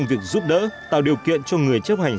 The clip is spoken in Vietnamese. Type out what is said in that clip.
việc giúp đỡ tạo điều kiện cho người chấp hành